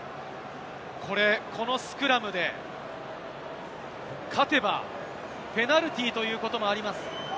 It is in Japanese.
このスクラムで勝てばペナルティーということもあります。